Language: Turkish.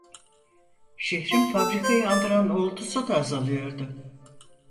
Şehrin fabrikayı andıran uğultusu da azalıyordu.